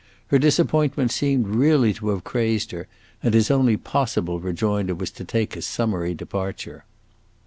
Her disappointment seemed really to have crazed her, and his only possible rejoinder was to take a summary departure.